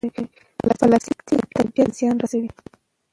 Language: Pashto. پلاستیک طبیعت ته زیان رسوي.